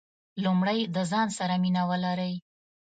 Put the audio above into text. لومړی د ځان سره مینه ولرئ .